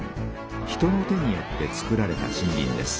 人の手によってつくられた森林です。